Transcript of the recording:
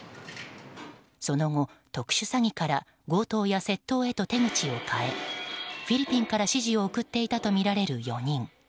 その後、特殊詐欺から強盗や窃盗へと手口を変えフィリピンから指示を送っていたとみられる４人。